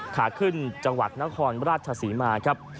ขาขึ้นจังหวัดนครราชศรีมาครับ